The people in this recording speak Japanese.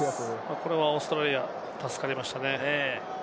これはオーストラリア、助かりましたね。